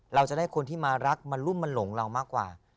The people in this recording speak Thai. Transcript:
เราจะได้คนที่มารักมารุ่มมาหลงเรามากกว่า